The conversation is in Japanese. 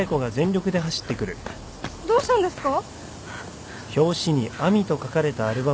どうしたんですか？